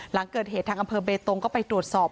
หลังเกิดเหตุทางอำเภอเบตงก็ไปตรวจสอบ